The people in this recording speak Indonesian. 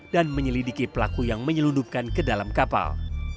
dan menyelidiki pelaku yang menyelundupkan ke dalam kapal